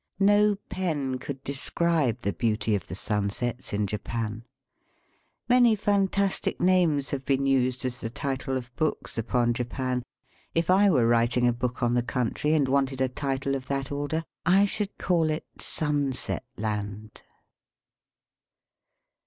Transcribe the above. No pen could describe the beauty of the sunsets in Japan. Many fantastic names have been used as the title of books upon Japan. If I were writing a book on the country and wanted a title of that order, I should call it " Sunset Land."